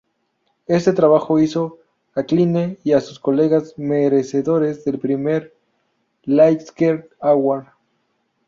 Este trabajo hizo a Kline, y a su colegas, merecedores del primer Lasker Award.